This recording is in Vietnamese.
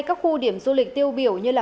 các khu điểm du lịch tiêu biểu như là